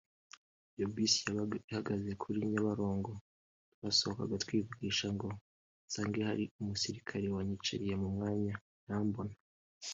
iyo bus yabaga ihagaze kuri Nyabarongo twasohokaga twivugisha ngo nsange hari umusirikare wanyicariye mu mwanya arambona